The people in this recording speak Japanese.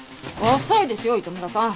遅いですよ糸村さん。